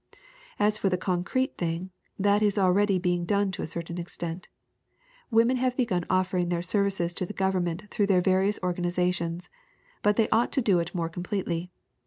"As for the concrete thing, that is already being done to a certain extent. Women have begun offering their services to the government through their various organizations, but they ought to do it more completely.